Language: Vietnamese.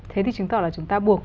thế thì chứng tỏ là chúng ta buộc